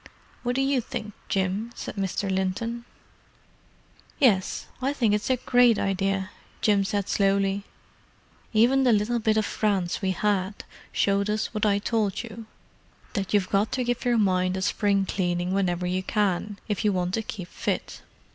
"What do you think, Jim?" asked Mr. Linton. "Yes, I think it's a great idea," Jim said slowly. "Even the little bit of France we had showed us what I told you—that you've got to give your mind a spring cleaning whenever you can, if you want to keep fit.